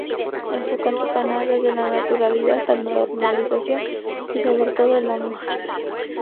Enfocan su canal desde la naturalidad, la normalización y sobre todo el amor.